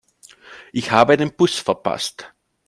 Ich habe den Bus verpasst.